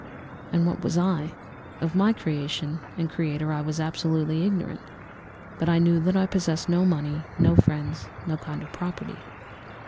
And what was I? Of my creation and creator I was absolutely ignorant, but I knew that I possessed no money, no friends, no kind of property.